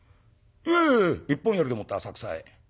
「いえいえいえ一本やりでもって浅草へ」。